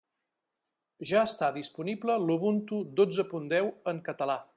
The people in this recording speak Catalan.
Ja està disponible l'Ubuntu dotze punt deu en català.